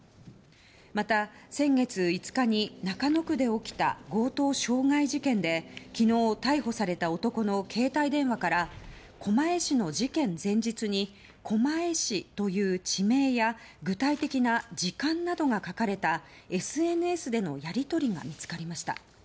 また、先月５日に中野区で起きた強盗傷害事件で昨日、逮捕された男の携帯電話から狛江市の事件前日に狛江市という地名や具体的な時間などが書かれたＳＮＳでのやり取りが見つかりました。